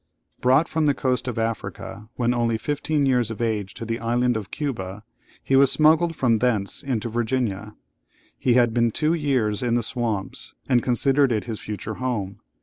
Brought from the coast of Africa when only fifteen years of age to the island of Cuba, he was smuggled from thence into Virginia. He had been two years in the swamps, and considered it his future home.